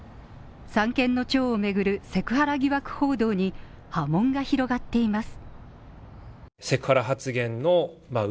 三権の長を巡るセクハラ疑惑報道に波紋が広がっています。